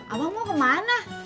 abang mau ke mana